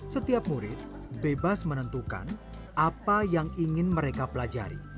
setiap murid bebas menentukan apa yang ingin mereka pelajari